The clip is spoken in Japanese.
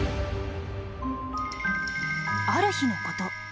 ある日のこと。